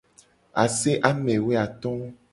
Ase amewoato.